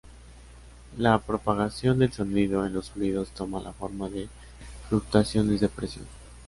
La propagación del sonido en los fluidos toma la forma de fluctuaciones de presión.